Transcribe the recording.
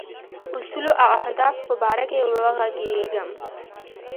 اصولو او اهدافو په باره کې وږغېږم.